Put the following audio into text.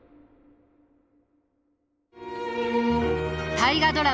大河ドラマ